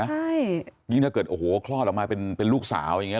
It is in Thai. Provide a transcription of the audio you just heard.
ใช่ยิ่งถ้าเกิดโอ้โหคลอดออกมาเป็นลูกสาวอย่างนี้